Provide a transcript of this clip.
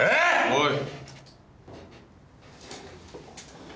おい。